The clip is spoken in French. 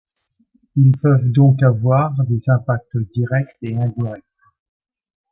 Ils peuvent donc avoir des impacts directs et indirects.